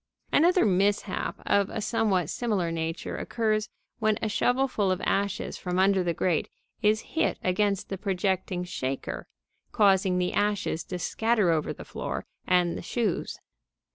Another mishap of a somewhat similar nature occurs when a shovelful of ashes from under the grate is hit against the projecting shaker, causing the ashes to scatter over the floor and the shoes.